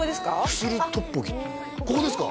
クスルトッポギここですか？